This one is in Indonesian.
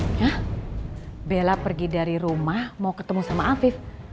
bella pergi dari rumah mau ketemu sama afif